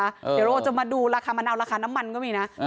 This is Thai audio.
เดี๋ยวเราจะมาดูราคามะนาวราคาน้ำมันก็มีนะ